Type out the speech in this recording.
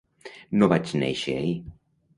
No vaig néixer ahir.